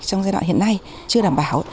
trong giai đoạn hiện nay chưa đảm bảo